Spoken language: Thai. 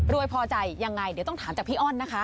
พอใจยังไงเดี๋ยวต้องถามจากพี่อ้อนนะคะ